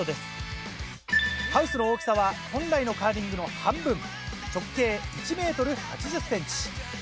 ハウスの大きさは本来のカーリングの半分直径１ｍ８０ｃｍ。